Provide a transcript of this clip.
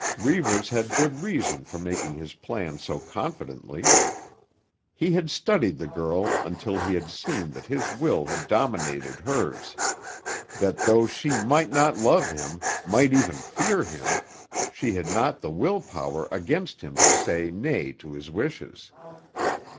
Reivers had good reason for making his plans so confidently. He had studied the girl until he had seen that his will had dominated hers; that though she might not love him, might even fear him, she had not the will power against him to say nay to his wishes.